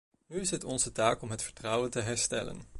Nu is het onze taak om het vertrouwen te herstellen.